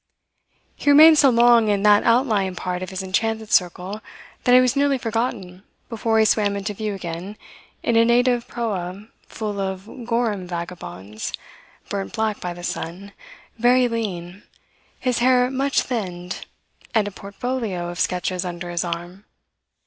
He remained so long in that outlying part of his enchanted circle that he was nearly forgotten before he swam into view again in a native proa full of Goram vagabonds, burnt black by the sun, very lean, his hair much thinned, and a portfolio of sketches under his arm.